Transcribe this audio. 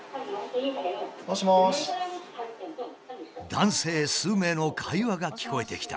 男性数名の会話が聞こえてきた。